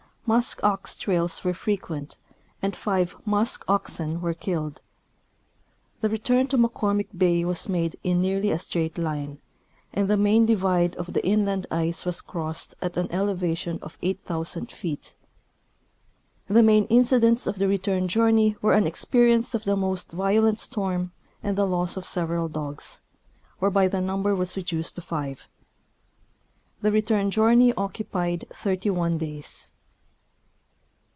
]Musk ox trails were frequent, and five musk oxen were killed. The return to McCormick bay was made in nearly a straight line, and the main divide of the inland ice was crossed at an elevation of 8,000 feet. The main incidents of the return journey were an experience of the most violent storm and the loss of several dogs, whereby the number was reduced to five. The return journey occupied thirty one days.